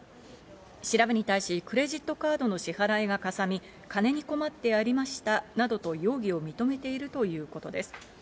調べに対しクレジットカードの支払いがかさみ、金に困ってやりましたなどと、容疑を認めているということです。